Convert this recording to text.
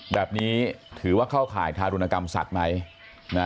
แบบนี้ถือว่าเข้าข่ายทารุณกรรมสัตว์ไหม